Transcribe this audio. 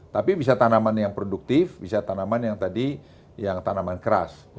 tapi bisa tanaman yang produktif bisa tanaman yang tadi yang tanaman keras